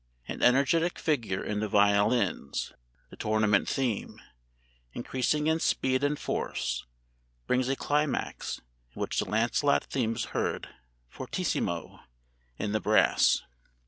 [An energetic figure in the violins (the Tournament theme), increasing in speed and force, brings a climax in which the Lancelot theme is heard fortissimo in the brass.